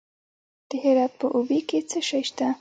د هرات په اوبې کې څه شی شته؟